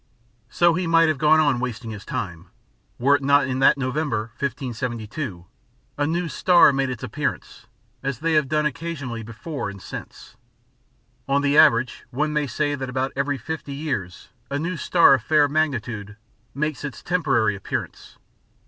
So he might have gone on wasting his time, were it not that in November, 1572, a new star made its appearance, as they have done occasionally before and since. On the average one may say that about every fifty years a new star of fair magnitude makes its temporary appearance.